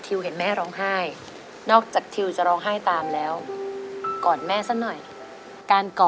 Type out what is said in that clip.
นี่เหมือนพระยาคก็ใช้มากเลยนะ